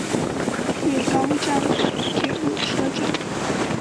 月冈站的铁路车站。